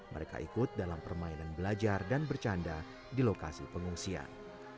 mereka ikut dalam permainan belajar dan bercanda di lokasi pengungsian